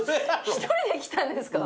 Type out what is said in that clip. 一人で来たんですか？